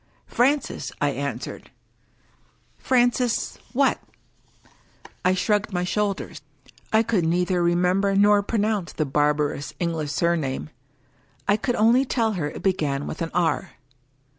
"" Francis," I answered. " Francis — what? " I shrugged my shoulders. I could neither remember nor pronounce the barbarous English surname. I could only tell her it began with an " R."